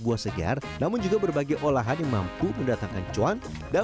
buah segar namun juga berbagai olahan yang mampu mendatangkan cuan dan